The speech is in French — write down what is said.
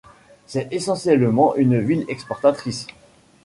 C'est essentiellement une ville exportatrice.